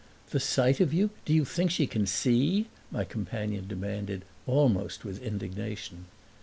"The sight of you? Do you think she can SEE?" my companion demanded almost with indignation.